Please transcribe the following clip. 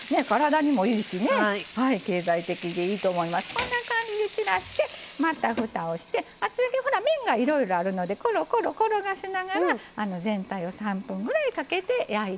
こんな感じで散らしてまたふたをして厚揚げほら面がいろいろあるのでコロコロ転がしながら全体を３分ぐらいかけて焼いて下さい。